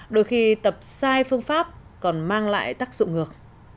đôi khi tập sai phương pháp còn mang lại tác dụng ngược